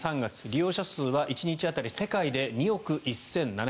利用者数は１日当たり世界で２億１７００万人。